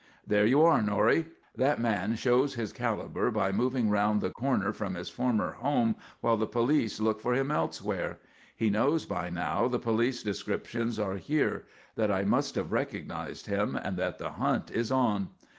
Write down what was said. "There you are, Norrie. That man shows his caliber by moving round the corner from his former home while the police look for him elsewhere. He knows by now the police descriptions are here; that I must have recognised him, and that the hunt is on.